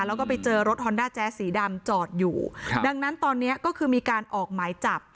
แล้วก็ไปเจอรถฮอนด้าแจ๊สสีดำจอดอยู่ครับดังนั้นตอนเนี้ยก็คือมีการออกหมายจับ